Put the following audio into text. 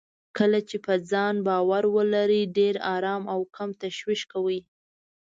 کله چې په ځان باور ولرئ، ډېر ارام او کم تشويش کوئ.